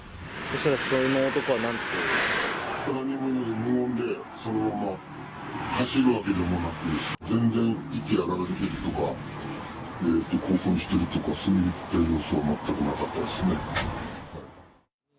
何も言わず、無言で、そのまま走るわけでもなく、全然息を荒らげるとか、興奮してるとか、そういった様子は全くなかったですね。